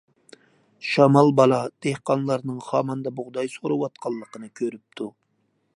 شامال بالا دېھقانلارنىڭ خاماندا بۇغداي سورۇۋاتقانلىقىنى كۆرۈپتۇ.